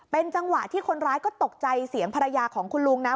เป็นจังหวะที่คนร้ายก็ตกใจเสียงภรรยาของคุณลุงนะ